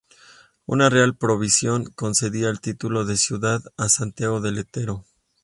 Una real provisión concedió el título de "Ciudad" a Santiago del Estero.